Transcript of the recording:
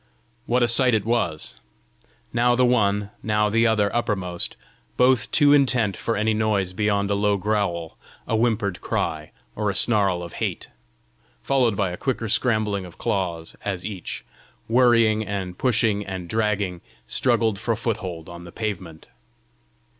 What a sight it was now the one, now the other uppermost, both too intent for any noise beyond a low growl, a whimpered cry, or a snarl of hate followed by a quicker scrambling of claws, as each, worrying and pushing and dragging, struggled for foothold on the pavement!